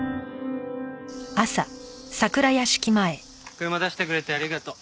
車出してくれてありがとう。